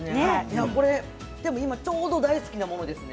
ちょうど大好きなものですね。